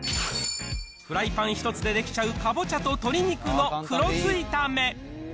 フライパン一つで出来ちゃうかぼちゃと鶏肉の黒酢炒め。